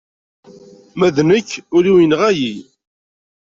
Ma d nekk ul-iw yenɣa-yi.